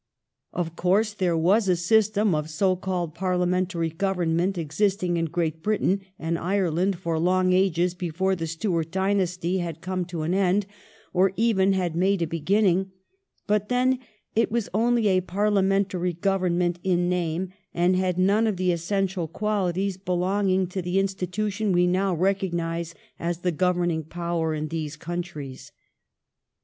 Of course there was a system of so called Parlia mentary government existing in Great Britain and Ireland for long ages before the Stuart dynasty had come to an end, or even had made a beginning ; but then it was only a Parliamentary government in name, and had none of the essential qualities belong ing to the institution we now recognise as the governing power in these countries.